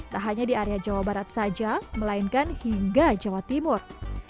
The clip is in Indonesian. tak hanya di area jawa barat saja melainkan hingga jawa timur